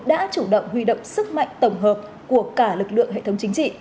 đã chủ động huy động sức mạnh tổng hợp của cả lực lượng hệ thống chính trị